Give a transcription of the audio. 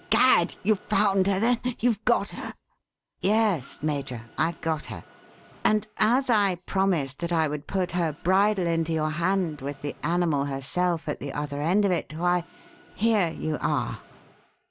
"Gad! you've found her, then? You've got her?" "Yes, Major, I've got her. And as I promised that I would put her bridle into your hand with the animal herself at the other end of it, why here you are!"